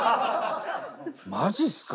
マジっすか？